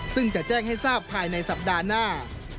ซึ่งจะแจ้งให้ทราบภายในสัปดาห์หน้า